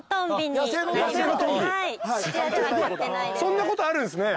そんなことあるんすね。